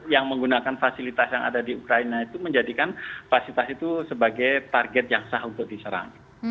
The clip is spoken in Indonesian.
yang menggunakan fasilitas yang ada di ukraina itu menjadikan fasilitas itu sebagai target yang sah untuk diserang